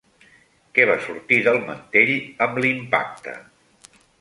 Què va sortir del mantell amb l'impacte?